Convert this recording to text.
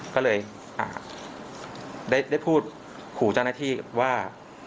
ก็เลยได้พูดขู่เจ้าหน้าที่ว่า